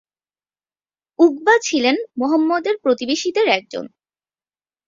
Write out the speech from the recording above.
উকবা ছিলেন মুহাম্মদের প্রতিবেশীদের একজন।